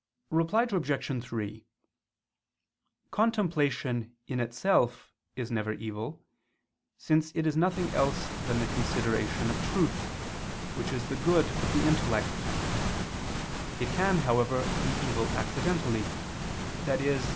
Reply Obj. 3: Contemplation, in itself, is never evil, since it is nothing else than the consideration of truth, which is the good of the intellect: it can, however, be evil accidentally, i.e.